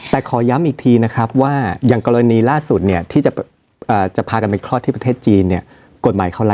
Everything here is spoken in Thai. ถ้าเปลี่ยนเทียบการที่นู่นเป็นไหร่แรงกว่าที่นี่ด้วยไหมคะ